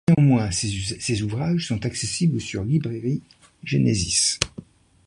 Néanmoins ces ouvrages sont accessibles sur Library Genesis.